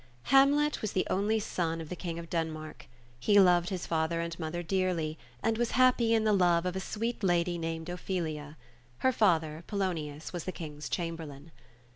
HAMLET was the only son of the King of Denmark. He loved his father and mother dearly — and was happy in the love of a sweet lady named Qphelia. Her father, Polonius, was the King's Chamberlain.